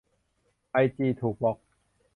ไอจีถูกบล็อก